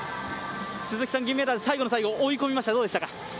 鈴木さん、銀メダル最後の最後追い込みましたどうでしたか。